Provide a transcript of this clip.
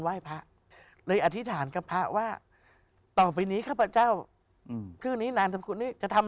ไว้พระเราอยากพิษฐานกับพระว่าต่อไปนี้ข้าพเจ้าชื่อนี้นานจำกูลี้จะทำ